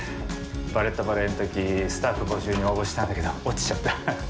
「バレット・バレエ」の時スタッフ募集に応募したんだけど落ちちゃった。